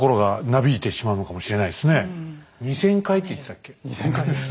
２，０００回です。